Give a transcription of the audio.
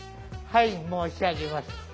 はい申し上げます。